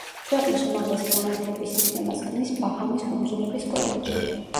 ქვეყნის უმაღლესი განათლების სისტემას ქმნის ბაჰამის კუნძულების კოლეჯი.